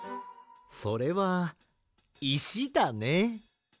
それはいしだね。